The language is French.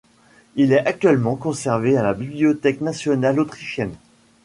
Il est actuellement conservé à la Bibliothèque nationale autrichienne.